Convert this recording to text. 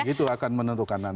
itu akan menentukan nanti